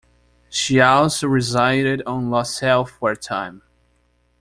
She also resided on LaSalle for a time.